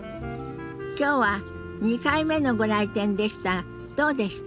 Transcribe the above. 今日は２回目のご来店でしたがどうでした？